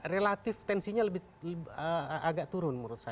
relatif tensinya lebih agak turun menurut saya